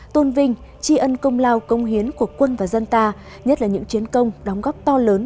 tôn vinh tri ân công lao công hiến của quân và dân ta nhất là những chiến công đóng góp to lớn